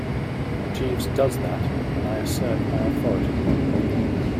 Jeeves does that when I assert my authority.